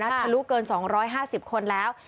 ทะลุเกิน๒๕๐คนแล้ว